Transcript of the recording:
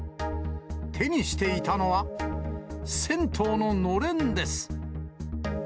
手にしていたのは、銭湯ののれんです。